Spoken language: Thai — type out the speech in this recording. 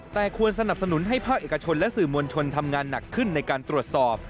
แต่ควรสนับสนุนให้ภาคเอกชนและสื่อมวลชนทำงานหนักขึ้นในการตรวจสอบ